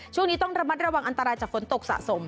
ช่วงนี้ต้องระมัดระวังอันตรายจากฝนตกสะสม